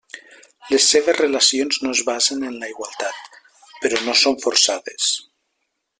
Les seves relacions no es basen en la igualtat; però no són forçades.